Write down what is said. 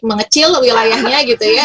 mengecil wilayahnya gitu ya